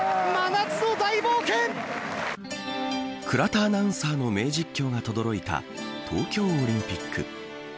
倉田アナウンサーの名実況がとどろいた東京オリンピック。